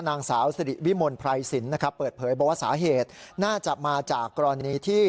นางสาวสิริวิมลไพรสินนะครับเปิดเผยบอกว่าสาเหตุน่าจะมาจากกรณีที่